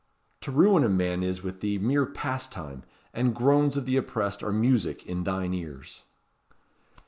To ruin a man is with thee mere pastime; and groans of the oppressed are music in thine ears."